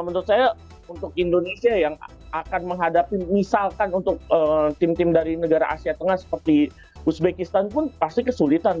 menurut saya untuk indonesia yang akan menghadapi misalkan untuk tim tim dari negara asia tengah seperti uzbekistan pun pasti kesulitan mbak